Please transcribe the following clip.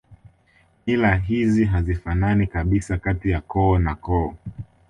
Mila hizi hazifanani kabisa kati ya koo na koo